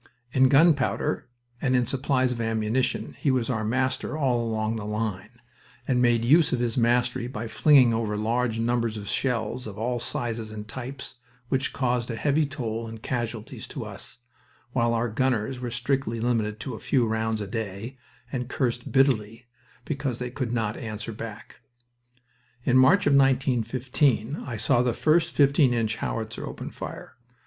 In gunpowder and in supplies of ammunition he was our master all along the line, and made use of his mastery by flinging over large numbers of shells, of all sizes and types, which caused a heavy toll in casualties to us; while our gunners were strictly limited to a few rounds a day, and cursed bitterly because they could not "answer back." In March of 1915 I saw the first fifteen inch howitzer open fire.